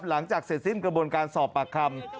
หลังจากเสร็จสิ้นกระบวนการสอบปากคำ